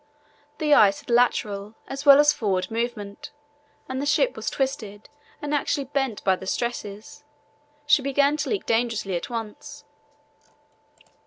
The ice had lateral as well as forward movement, and the ship was twisted and actually bent by the stresses. She began to leak dangerously at once.